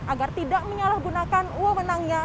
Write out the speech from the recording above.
agar tidak menyalahgunakan uang menangnya